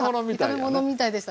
炒め物みたいやね。